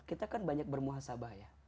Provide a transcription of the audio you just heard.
kita kan banyak bermuhasabah ya